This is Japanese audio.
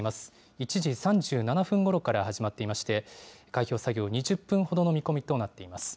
１時３７分ごろから始まっていまして、開票作業、２０分ほどの見込みとなっています。